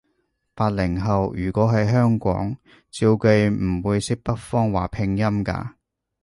八零後，如果喺香港，照計唔會識北方話拼音㗎